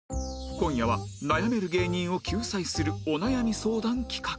今夜は悩める芸人を救済するお悩み相談企画